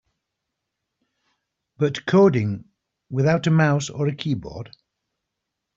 But coding without a mouse or a keyboard?